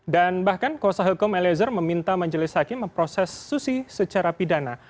dan bahkan kosa hilkom elezer meminta majelis hakim memproses susi secara pidana